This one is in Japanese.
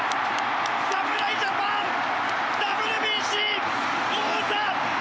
侍ジャパンＷＢＣ王座奪還！